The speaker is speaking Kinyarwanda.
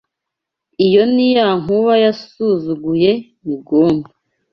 Iyo ni ya Nkuba yasuzuguye Migondo